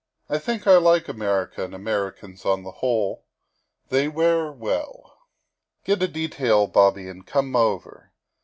I think I like America and Americans, on the whole; they wear well. Get a detail, Bobby, and come over.